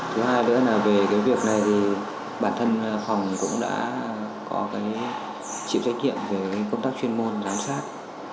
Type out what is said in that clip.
thứ hai nữa là về cái việc này thì bản thân phòng cũng đã có cái chịu trách nhiệm về công tác chuyên môn giám sát